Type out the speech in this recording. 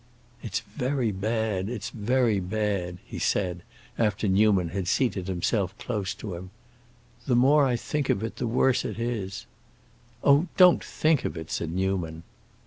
"It's very bad, it's very bad," he said, after Newman had seated himself close to him. "The more I think of it the worse it is." "Oh, don't think of it," said Newman.